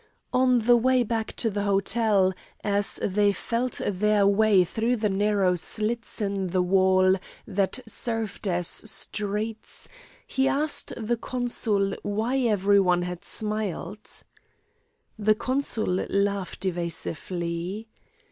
On the way back to the hotel, as they felt their way through the narrow slits in the wall that served as streets, he asked the consul why every one had smiled. The consul laughed evasively.